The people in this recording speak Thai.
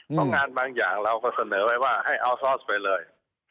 เพราะงานบางอย่างเราก็เสนอไว้ว่าให้อัลซอสไปเลย